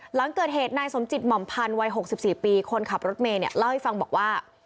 หลังเกิดเหตุนายสมจิตหม่อมพันธ์วัย๖๔ปีคนขับรถเมย์เนี่ยเล่าให้ฟังบอกว่า